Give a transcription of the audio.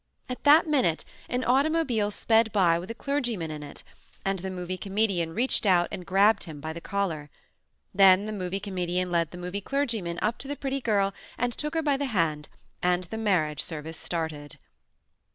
At that minute an automobile sped by with a clergyman in it, and the Movie Comedian reached out and grabbed him by the collar. Then the Movie Com edian led the Movie Clergyman up to the pretty girl and took her by the hand, and the marriage service started.